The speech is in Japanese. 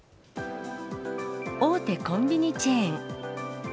大手コンビニチェーン。